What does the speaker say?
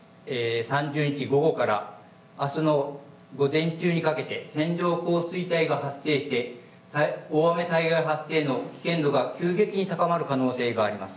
３０日午後からあすの午前中にかけて線状降水帯が発生して大雨災害発生の危険度が急激に高まる可能性があります。